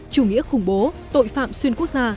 chủ nghĩa khủng bố tội phạm xuyên quốc gia